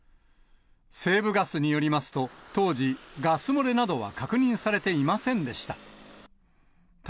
西部ガスによりますと、当時、ガス漏れなどは確認されていませんでした。